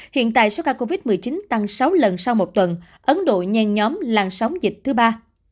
hiện tại số ca covid một mươi chín tăng sáu lần sau một tuần ấn độ nhen nhóm làn sóng dịch thứ ba